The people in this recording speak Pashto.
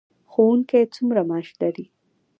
ښوونکي څومره معاش لري؟